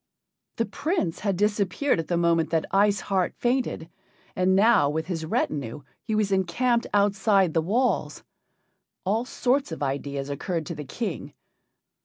The Prince had disappeared at the moment that Ice Heart fainted, and now with his retinue he was encamped outside the walls. All sorts of ideas occurred to the King.